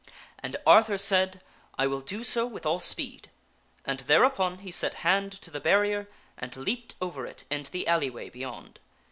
And Arthur said, " I will do so with all speed," and thereupon he set hand to the barrier and leaped over it into the alleyway beyond.